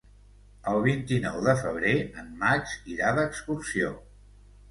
El vint-i-nou de febrer en Max irà d'excursió.